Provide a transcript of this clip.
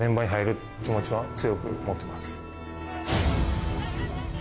気持ちは強く持ってます。